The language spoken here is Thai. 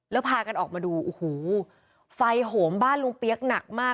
แล้วพากันออกมาดูโอ้โหไฟโหมบ้านลุงเปี๊ยกหนักมาก